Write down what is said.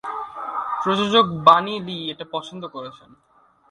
প্রযোজক Bunny Lee এটা পছন্দ করছেন।